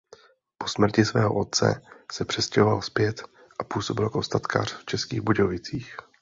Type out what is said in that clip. Po smrti svého otce se přestěhoval zpět a působil jako statkář v Českých Budějovicích.